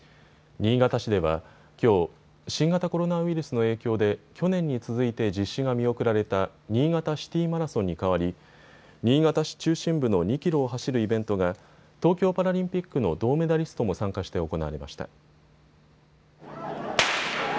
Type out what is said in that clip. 新潟市では、きょう新型コロナウイルスの影響で去年に続いて実施が見送られた新潟シティマラソンに代わり新潟市中心部の２キロを走るイベントが東京パラリンピックの銅メダリストも参加して行われました。